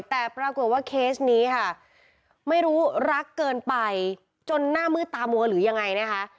แต่ปรากฏว่าเคสนี้ค่ะไม่รู้รักเกินไปจนหน้ามืดตามัวหรือยังไงนะคะ